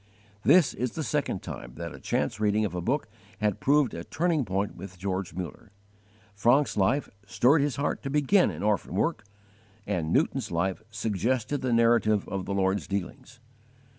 This is the second time that a chance reading of a book had proved a turning point with George Muller. Franke's life stirred his heart to begin an orphan work, and Newton's life suggested the narrative of the Lord's dealings.